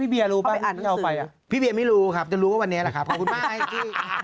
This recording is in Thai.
พี่เบียรู้ปะเค้าไปไหนล่ะพี่เบียร์ไม่รู้ครับจะรู้ว่ามันเท่าไหร่ครับขอบคุณมากพี่